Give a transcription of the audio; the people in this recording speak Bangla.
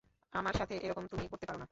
আমার সাথে এরকম তুমি করতে পারো না।